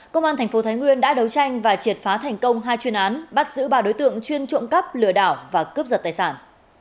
công an tp thái nguyên đã đấu tranh và triệt phá thành công hai chuyên án bắt giữ ba đối tượng chuyên trộm cắp lừa đảo và cướp giật tài sản